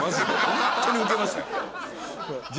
ホントにウケました。